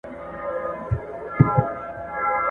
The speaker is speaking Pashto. او له مځکي خړ ګردونه بادېدله ..